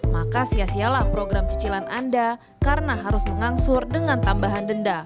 maka sia sialah program cicilan anda karena harus mengangsur dengan tambahan denda